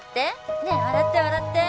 ねえ笑って笑って。